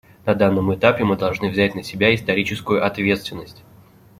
На данном этапе мы должны взять на себя историческую ответственность.